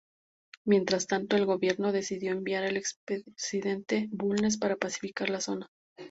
Mientras tanto, el gobierno decidió enviar al expresidente Bulnes para pacificar la zona.